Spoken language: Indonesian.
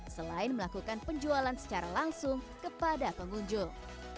selain melakukan penjualan secara langsung kepada pengunjung